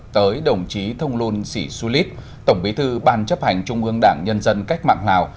tới đồng chí thông luân sĩ xu lít tổng bí thư ban chấp hành trung ương đảng nhân dân cách mạng lào